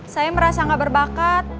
saya merasa gak berbakat